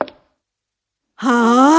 aku selalu lebih pintar darimu